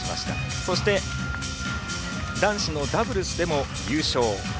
そして、男子のダブルスでも優勝。